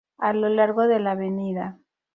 A lo largo de la Av.